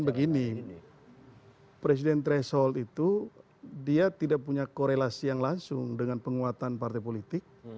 dan begini presiden tresol itu dia tidak punya korelasi yang langsung dengan penguatan partai politik